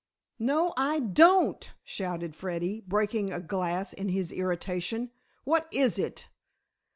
"No, I don't!" shouted Freddy, breaking a glass in his irritation. "What is it?